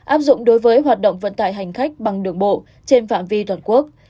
áp dụng đối với hoạt động vận tải hành khách bằng đường bộ trên phạm vi toàn quốc